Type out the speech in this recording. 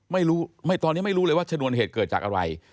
ไม่รู้ตอนนี้ไม่รู้เลยว่าชนวนเหตุเกิดจากอะไร